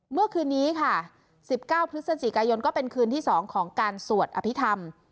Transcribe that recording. เมื่อคืนนี้ค่ะ๑๙พฤศจิกายนก็เป็นคืนที่๒ของการสวดอภิษฐรรม